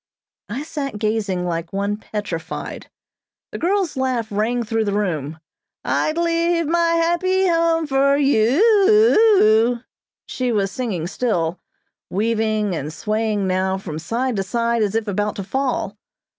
I sat gazing like one petrified. The girl's laugh rang through the room. "I'd Leave my Happy Home for You, ou ou," she was singing still, weaving and swaying now from side to side as if about to fall.